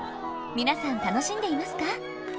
皆さん楽しんでいますか？